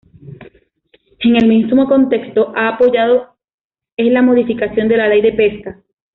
En el mismo contexto, ha apoyado es la modificación de la ley de pesca.